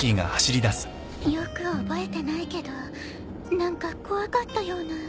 よく覚えてないけど何か怖かったような。